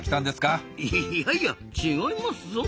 いいやいや違いますぞ。